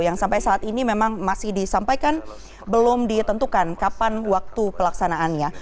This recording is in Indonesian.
yang sampai saat ini memang masih disampaikan belum ditentukan kapan waktu pelaksanaannya